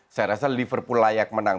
saya rasa liverpool layak menang